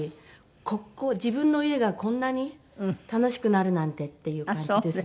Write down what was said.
ここ自分の家がこんなに楽しくなるなんてっていう感じですね。